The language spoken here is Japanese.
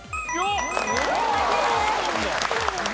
正解です。